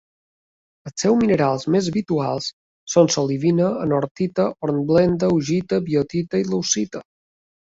Els seus minerals més habituals són l'olivina, anortita, hornblenda, augita, biotita i leucita.